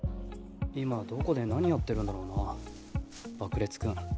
今どこで何やってるんだろうなばくれつ君。